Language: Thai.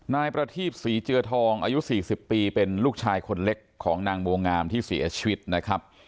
นายประทีบศรีเจือทองอายุ๔๐ปีเป็นลูกชายคนเล็กของนางบัวงามที่เสียชีวิตนะครับ